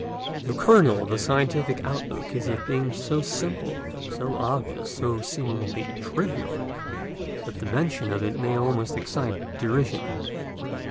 The kernel of the scientific outlook is a thing so simple, so obvious, so seemingly trivial, that the mention of it may almost excite derision.